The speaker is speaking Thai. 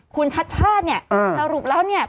คุณชัดชาติเนี่ยสรุปแล้วเนี่ย